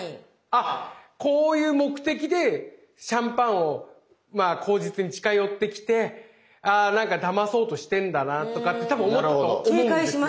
あこういう目的でシャンパンを口実に近寄ってきて何かだまそうとしてんだなとかってたぶん思ったと思うんですよ。